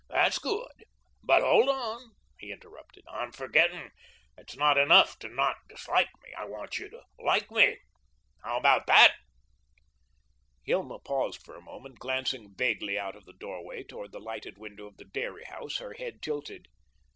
"That's good. But hold on," he interrupted, "I'm forgetting. It's not enough to not dislike me. I want you to like me. How about THAT?" Hilma paused for a moment, glancing vaguely out of the doorway toward the lighted window of the dairy house, her head tilted.